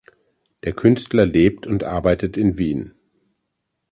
Der Künstler lebt und arbeitet in Wien.